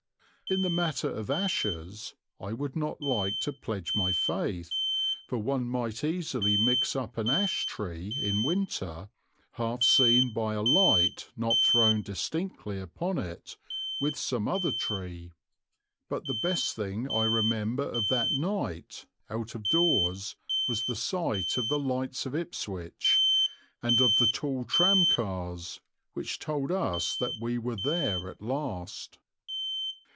In the matter of ashes I would not like to pledge my faith, for one might easily mix up an ash tree in winter, half seen by a light not thrown distinctly upon it, with some other tree. But the best thing I remember of that night, out of doors, was the sight of the lights of Ipswich and of the tall tramcars, which told us that we were there at last.